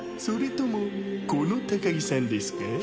それともこの高木さんですか？